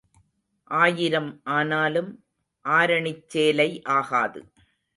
ஆயிரம் ஆனாலும் ஆரணிச் சேலை ஆகாது.